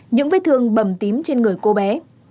những vết thương bầm tím trên người cô bé